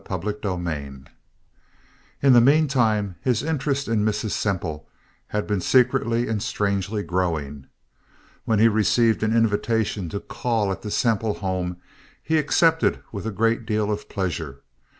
Chapter VII In the meantime, his interest in Mrs. Semple had been secretly and strangely growing. When he received an invitation to call at the Semple home, he accepted with a great deal of pleasure.